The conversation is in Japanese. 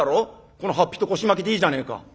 この法被と腰巻きでいいじゃねえか。